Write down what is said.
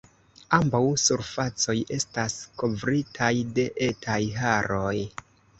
Ambaŭ surfacoj estas kovritaj de etaj haroj.